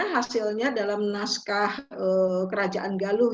hasilnya dalam naskah kerajaan galuh